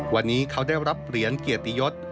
วันนี้เขาได้รับเหรียญเกียรติยศ